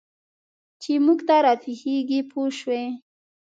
چې موږ ته را پېښېږي پوه شوې!.